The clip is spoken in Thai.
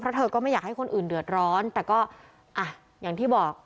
เพราะเธอก็ไม่อยากให้คนอื่นเดือดร้อนแต่ก็อ่ะอย่างที่บอก